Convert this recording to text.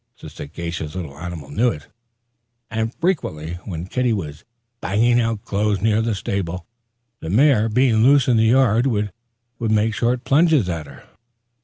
The sagacious little animal knew it, of course, and frequently, when Kitty was banging out clothes near the stable, the mare being loose in the yard, would make short plunges at her.